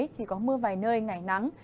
chỉ có mưa vài nơi ngày nắng